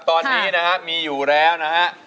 ตอนนี้นะครับมีอยู่แล้วนะครับ